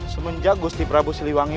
semenjak gusti prabu siliwangi